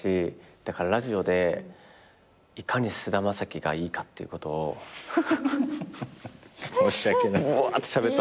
だからラジオでいかに菅田将暉がいいかっていうことをぶわってしゃべったんですよ。